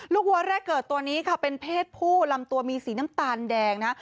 วัวแรกเกิดตัวนี้ค่ะเป็นเพศผู้ลำตัวมีสีน้ำตาลแดงนะฮะ